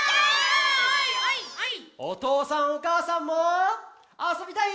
おとうさんおかあさんもあそびたい？